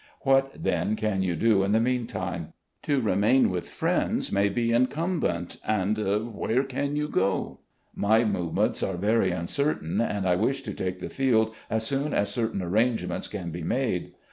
What, then, can you do in the meantime ? To 36 RECOLLECTIONS OP GENERAL LEE remain with friends may be incumbent, and where can you go? ... My movements are very imcertain, and I wish to take the field as soon as certain arrangements can be made.